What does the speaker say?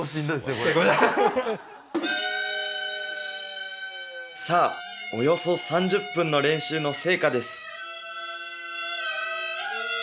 これさあおよそ３０分の練習の成果です